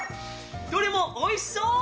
どれもおいしそう！